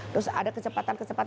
terus ada kecepatan kecepatan